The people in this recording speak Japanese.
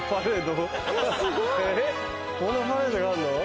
こんなパレードがあんの？